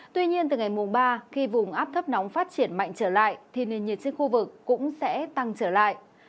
tuy nhiên từ ngày mùng ba khi vùng áp thấp nóng phát triển mạnh trở lại thì nền nhiệt trên khu vực cũng sẽ tăng trở lại